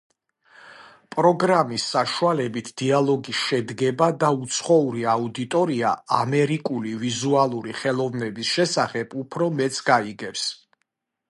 პროგრამის საშუალებით დიალოგი შედგება და უცხოური აუდიტორია ამერიკული ვიზუალური ხელოვნების შესახებ უფრო მეტს გაიგებს.